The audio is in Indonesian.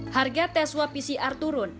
harga tes swab pcr turun